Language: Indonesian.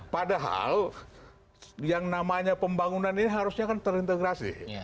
padahal yang namanya pembangunan ini harusnya kan terintegrasi